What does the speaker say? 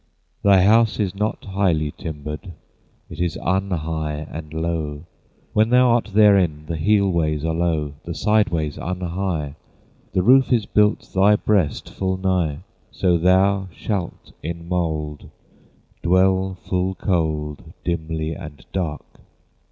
Thy house is not Highly timbered, It is unhigh and low; When thou art therein, The heel ways are low, The side ways unhigh. The roof is built Thy breast full nigh, So thou shalt in mould Dwell full cold, Dimly and dark.